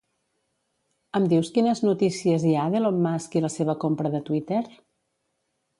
Em dius quines notícies hi ha d'Elon Musk i la seva compra de Twitter?